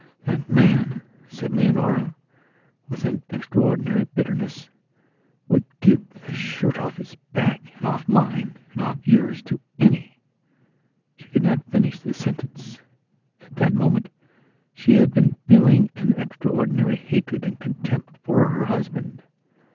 "That man," said Leonora, with an extraordinary bitterness, "would give the shirt off his back and off mineand off yours to any..." She could not finish the sentence. At that moment she had been feeling an extraordinary hatred and contempt for her husband.